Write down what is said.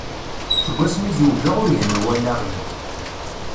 Seg wass-mi zewǧeɣ ur ihenna wallaɣ-iw.